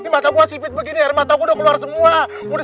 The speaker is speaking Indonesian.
mata gua sipit begini air mataku udah keluar semua